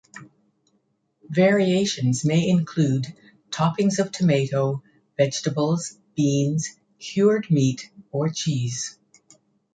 Variations may include toppings of tomato, vegetables, beans, cured meat, or cheese.